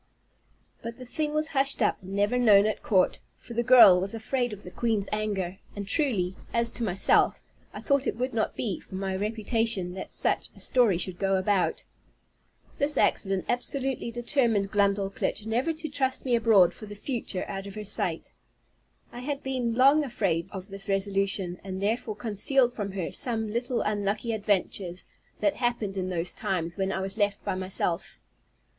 But the thing was hushed up, and never known at court, for the girl was afraid of the queen's anger; and truly, as to myself, I thought it would not be for my reputation that such a story should go about. This accident absolutely determined Glumdalclitch never to trust me abroad for the future out of her sight. I had been long afraid of this resolution, and therefore concealed from her some little unlucky adventures, that happened in those times when I was left by myself.